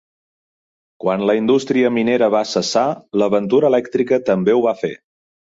Quan la indústria minera va cessar, "l'aventura elèctrica" també ho va fer.